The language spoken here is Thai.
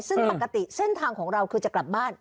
ซึ่งปกติเส้นทางของเราคือจะกลับบ้าน